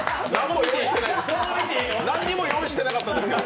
何にも用意してなかったですけど。